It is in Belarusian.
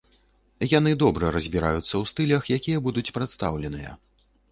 Яны добра разбіраюцца ў стылях, якія будуць прадстаўленыя.